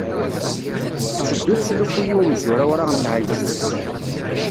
Tetteddu teslufuy i umzur awraɣ n tɛelǧet-is.